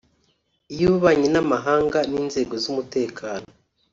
iy’ububanyi n’amahanga n’inzego z’umutekano